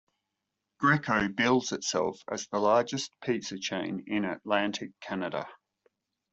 Greco bills itself as the largest pizza chain in Atlantic Canada.